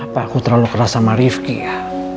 pak aku terlalu keras sama rifki ya